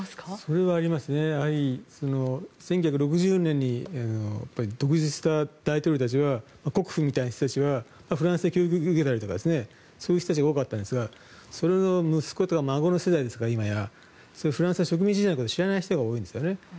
やはり１９６０年に独立した大統領たちは国父みたいな人たちはフランスで教育を受けたりとかそういう人たちが多かったんですがその息子や今や孫の世代ですかフランスの植民地時代のことを知らない人たちも多いんですね。